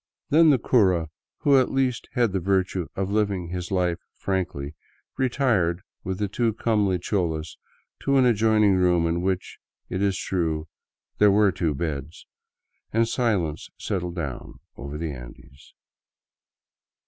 Then the cura, who at least had the virtue of living his life frankly, retired with the two comely cholas to an adjoining room in which, it is true, there were two beds, and silence settled down over the Andes.